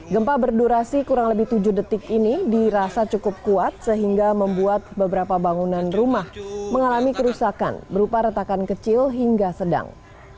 gempa berdurasi kurang lebih tujuh detik ini dirasa cukup kuat sehingga membuat beberapa bangunan rumah mengalami kerusakan berupa retakan kecil hingga sedang